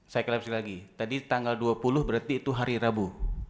saya kolapsi lagi tadi tanggal dua puluh berarti itu hari rabu